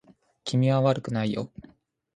君は悪くないよ